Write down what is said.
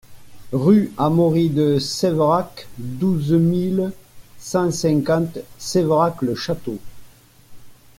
Rue Amaury de Séverac, douze mille cent cinquante Sévérac-le-Château